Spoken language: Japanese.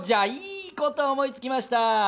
いいこと思いつきました。